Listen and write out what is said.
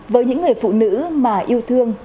với những người phụ nữ mà yêu thương